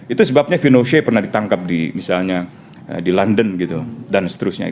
itu sebabnya fino she pernah ditangkap di misalnya di london gitu dan seterusnya